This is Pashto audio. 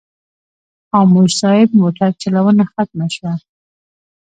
خاموش صاحب موټر چلونه ختمه شوه.